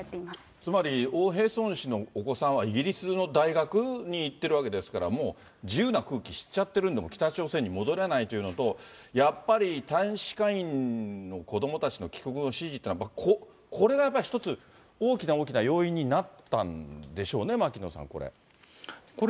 つまりオ・ヘソン氏のお子さんはイギリスの大学にもう自由な空気、知っちゃってるんで、もう北朝鮮に戻れないというのと、やっぱり大使館員の子どもたちの帰国の指示って、これがやっぱり一つ、大きな大きな要因になったんでしょうね、牧野さん、これ。